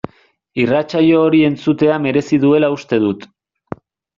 Irratsaio hori entzutea merezi duela uste dut.